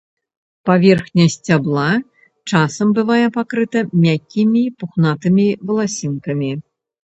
Паверхня сцябла часам бывае пакрыта мяккімі пухнатымі валасінкамі.